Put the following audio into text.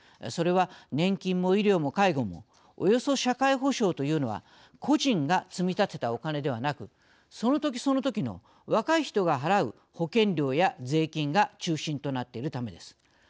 それは年金も医療も介護もおよそ社会保障というのは個人が積み立てたお金ではなくその時その時の若い人が払う保険料や税金が中心となっているためです。